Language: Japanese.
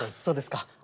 そうですか。